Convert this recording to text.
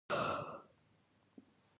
ټولنې دیني باورونو ته زیان رسوي.